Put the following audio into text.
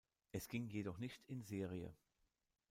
Es ging jedoch nicht in Serie.